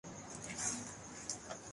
آسانی سے مطمئن ہو جاتا ہوں